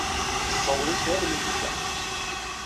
Nessaweḍ-it armi ay yedda.